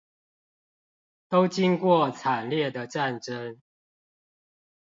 都經過慘烈的戰爭